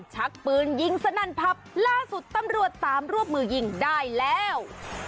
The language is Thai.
ชักปืนยิงสนั่นผับล่าสุดตำรวจตามรวบมือยิงได้แล้ว